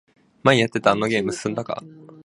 前やってたあのゲーム進んだか？